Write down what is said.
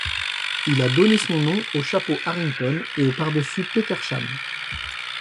Il a donné son nom au chapeau Harrington et au pardessus Petersham.